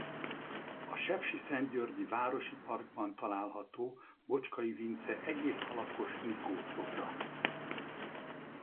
A sepsiszentgyörgyi városi parkban található Bocskay Vince egész alakos Mikó-szobra.